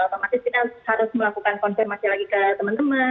otomatis kita harus melakukan konfirmasi lagi ke teman teman